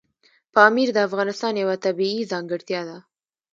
پامیر د افغانستان یوه طبیعي ځانګړتیا ده.